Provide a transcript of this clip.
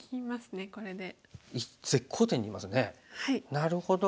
なるほど。